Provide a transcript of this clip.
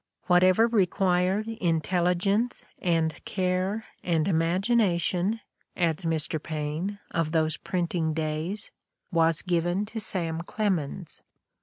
"Whatever required intelligence and care and imagination," adds Mr. Paine, of those printing days, '' was given to Sam Clemens.